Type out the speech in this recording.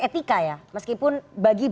etika ya meskipun bagi